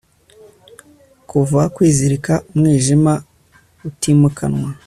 Kuva kwizirika umwijima utimukanwa